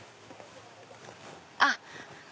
あっ！